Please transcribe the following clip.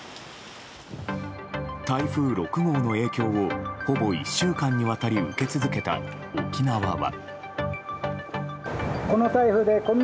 台風６号の影響をほぼ１週間にわたり受け続けた沖縄は。